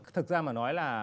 thực ra mà nói là